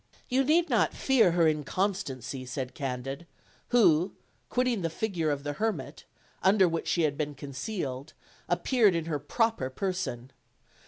"You need not fear her inconstancy," said Candid, who, quitting the figure of the hermit, under which she had been concealed, appeared in her proper person.